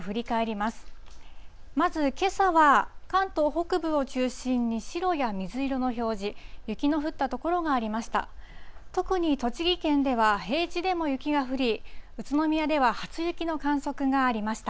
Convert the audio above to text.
まずけさは、関東北部を中心に白や水色の表示、雪の降った所がありました。